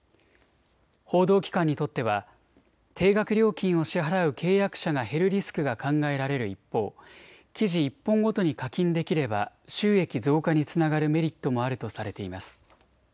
報道機関にとっては定額料金を支払う契約者が減るリスクが考えられる一方、記事１本ごとに課金できれば収益増加につながるメリットもあるとされています。